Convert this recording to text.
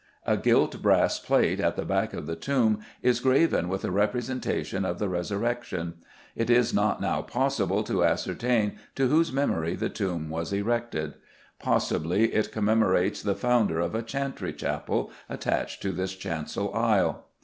A gilt brass plate at the back of the tomb is graven with a representation of the Resurrection. It is not now possible to ascertain to whose memory the tomb was erected: possibly it commemorates the founder of a chantry chapel attached to this chancel aisle.